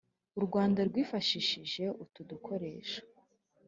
u rwanda rwifashishije utu dukoresho